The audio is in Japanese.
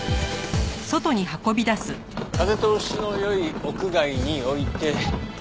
風通しの良い屋外に置いて。